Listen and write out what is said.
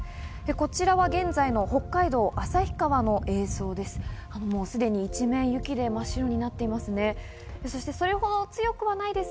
こちらは現在の北海道旭川の映像です。